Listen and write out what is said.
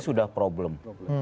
itu adalah problem